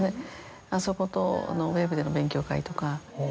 あそことのウェブでの勉強会とか。